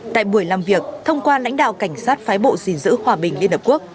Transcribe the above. tại buổi làm việc thông qua lãnh đạo cảnh sát phái bộ dình giữ hòa bình liên hợp quốc